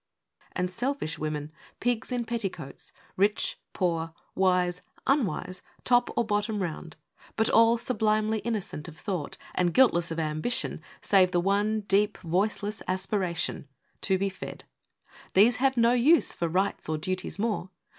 And selfish women pigs in petticoats Rich, poor, wise, unwise, top or bottom round, But all sublimely innocent of thought, And guiltless of ambition, save the one Deep, voiceless aspiration to be fed! These have no use for rights or duties more.